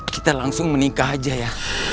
kita langsung menikah aja ya